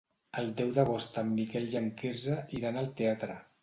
El deu d'agost en Miquel i en Quirze iran al teatre.